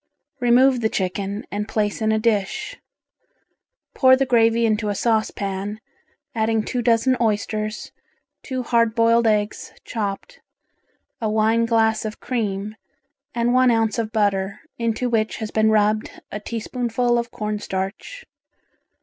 Remove the chicken and place in a dish. Pour the gravy into a saucepan, adding two dozen oysters, two hard boiled eggs chopped, a wine glass of cream and one ounce of butter, into which has been rubbed a teaspoonful of corn starch.